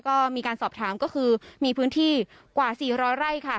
ก็มีการสอบถามก็คือมีพื้นที่กว่า๔๐๐ไร่ค่ะ